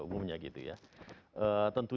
umumnya gitu ya tentu